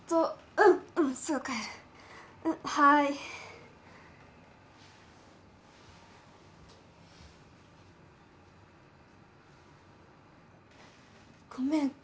うんうんすぐ帰るうんはーいごめん